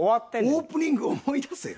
オープニング思い出せよ！